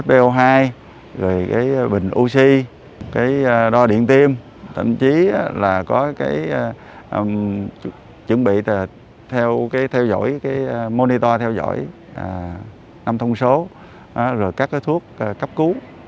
bio hai rồi cái bình oxy cái đo điện tim thậm chí là có cái chuẩn bị theo cái theo dõi cái monitor theo dõi năm thông số rồi các cái thuốc cấp cứu